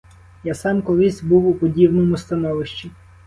Я сам колись був у подібному становищі.